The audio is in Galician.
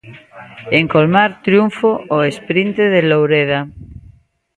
En Colmar, triunfo ao esprinte de Loureda.